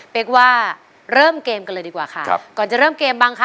เป็นอยากว่าเริ่มเกมกันเลยดีกว่าค่ะก่อนจะเริ่มเกมค่ะ